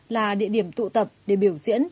là địa điểm tụ tập để biểu diễn